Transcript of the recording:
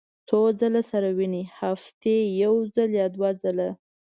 څو ځله سره وینئ؟ هفتې یوځل یا دوه ځله